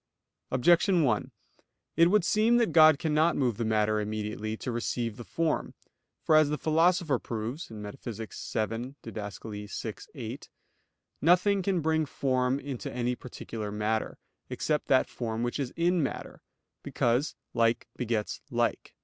Objection 1: It would seem that God cannot move the matter immediately to receive the form. For as the Philosopher proves (Metaph. vii, Did. vi, 8), nothing can bring a form into any particular matter, except that form which is in matter; because, like begets like.